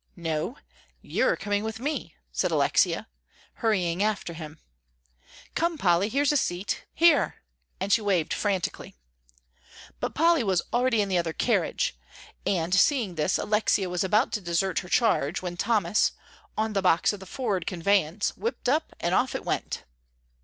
"No, you're coming with me," said Alexia, hurrying after him. "Come, Polly, here's a seat. Here," and she waved frantically. But Polly was already in the other carriage. And seeing this, Alexia was about to desert her charge, when Thomas, on the box of the forward conveyance, whipped up and off it went.